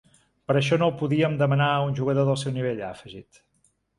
Però això no ho podíem demanar a un jugador del seu nivell, ha afegit.